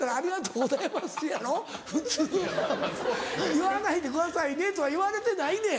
「言わないでくださいね」とは言われてないねん。